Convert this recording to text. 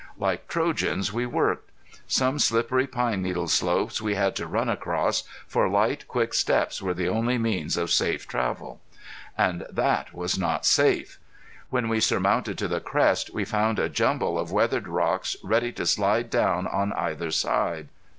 Like Trojans we worked. Some slippery pine needle slopes we had to run across, for light quick steps were the only means of safe travel. And that was not safe! When we surmounted to the crest we found a jumble of weathered rocks ready to slide down on either side.